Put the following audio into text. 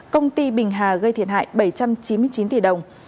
công ty bình hà gây thiệt hại bảy trăm chín mươi chín tỷ đồng